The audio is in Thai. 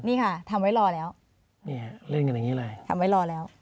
นี่ค่ะทำไว้รอแล้วนี่เล่นกันอย่างนี้เลยทำไว้รอแล้ว